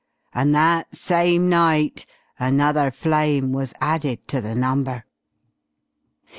And that same night another flame was added to the number!"